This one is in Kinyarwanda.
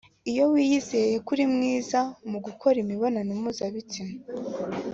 Iyo wiyizeye kuri mwiza mu gukora imibonano mpuzabitsina